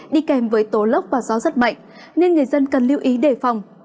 đi kèm với tố lốc và gió rất mạnh nên người dân cần lưu ý đề phòng